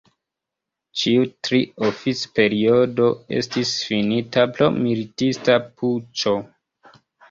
Ĉiu tri oficperiodo estis finita pro militista puĉo.